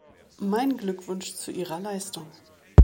Mein Glückwunsch zu Ihrer Leistung.